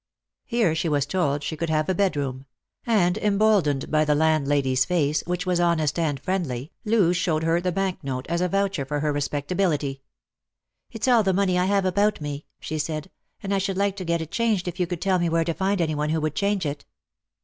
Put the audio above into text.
Here she was told she could have a bedroom ; and emboldened by the landlady's face, which was honest and friendly, Loo showed her the bank note as a voucher for her respectability. " It's all the money I have about me," she said, " and I should like to get it changed if you could tell me where to find any one who would change it."